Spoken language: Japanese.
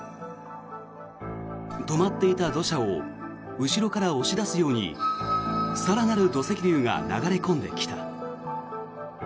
止まっていた土砂を後ろから押し出すように更なる土石流が流れ込んできた。